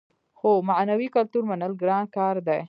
خو معنوي کلتور منل ګران کار دی.